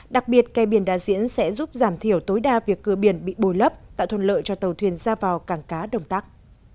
đặc biệt kè biển đà diễn sẽ giúp giảm thiểu tối đa việc cửa biển bị bồi lấp tạo thuận lợi cho tàu thuyền ra vào cảng cá đồng tắc